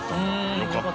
よかった。